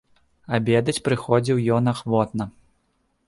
Абедаць прыходзіў ён ахвотна.